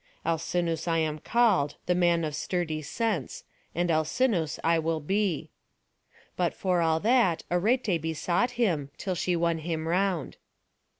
Alcinous I am called, the man of sturdy sense, and Alcinous I will be." But for all that, Arete besought him, until she won him round.